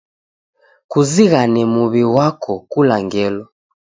Kuzighane muw'i ghwako kula ngelo.